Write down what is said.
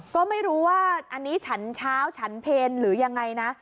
ก็ไม่รู้ว่าอันนี้ฉันเช้าฉันเพลหรือยังไงนะ